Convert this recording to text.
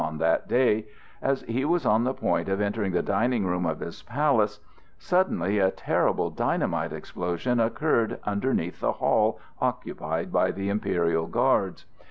on that day, as he was on the point of entering the dining room of his palace, suddenly a terrible dynamite explosion occurred underneath the hall occupied by the Imperial Guards.